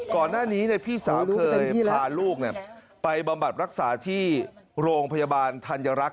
ก่อนหน้านี้พี่สาวเคยพาลูกไปบำบัดรักษาที่โรงพยาบาลธัญรักษ